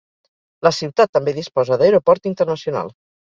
La ciutat també disposa d'aeroport internacional.